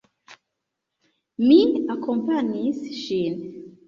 Mi akompanis ŝin.